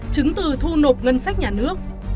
chứng từ thu nộp ngân sách nhà nước